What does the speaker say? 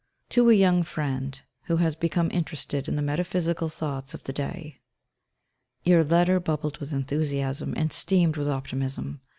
To a Young Friend Who Has Become Interested in the Metaphysical Thoughts of the Day Your letter bubbled with enthusiasm, and steamed with optimism.